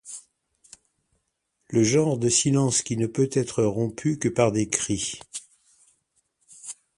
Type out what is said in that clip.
Le genre de silence qui ne peut être rompu que par des cris.